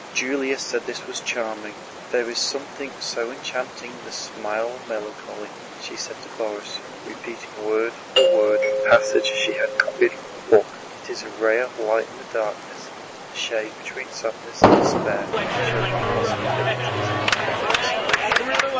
Julie said this was charming "There is something so enchanting in the smile of melancholy," she said to Borís, repeating word for word a passage she had copied from a book. "It is a ray of light in the darkness, a shade between sadness and despair, showing the possibility of consolation."